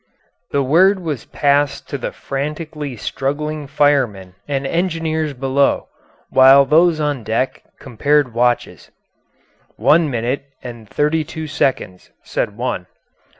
The word was passed to the frantically struggling firemen and engineers below, while those on deck compared watches. "One minute and thirty two seconds," said one.